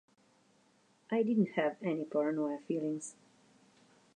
I didn't have any paranoia feelings.